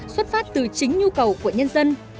xuất phát từ chính nhu cầu của nhân dân